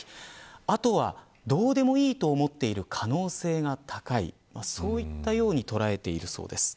あとは、どうでもいいと思っている可能性が高いそういったように捉えているそうです。